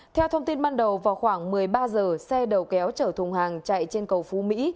theo thông tin ban đầu vào khoảng một mươi ba giờ xe đầu kéo chở thùng hàng chạy trên cầu phú mỹ